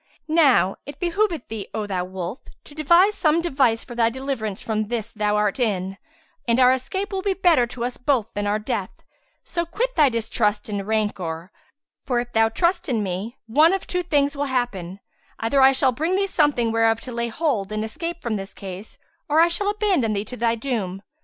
Now it behoveth thee, O thou wolf, to devise some device for thy deliverance from this thou art in, and our escape will be better to us both than our death: so quit thy distrust and rancour; for if thou trust in me one of two things will happen; either I shall bring thee something whereof to lay hold and escape from this case, or I shall abandon thee to thy doom.